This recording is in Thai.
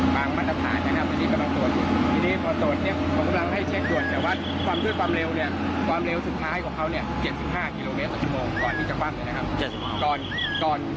ก่อนสำเร็จสุดท้ายก็คือ๘๕แล้วพอ๘๕ก็มาอาจจะมีแต่เมตร